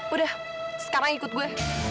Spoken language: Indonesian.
udah sekarang ikut gue